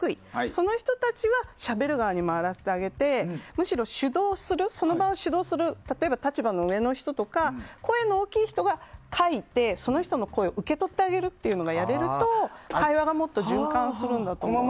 その人たちは、しゃべる側に回ってあげて、その場を主導する立場の上の人たちは声の大きい人は書いてその人の声を受け取ってあげるというのをやれると会話がもっと循環するんだと思います。